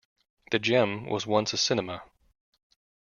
The Gem was once a cinema.